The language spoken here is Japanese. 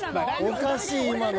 ［おかしい今の］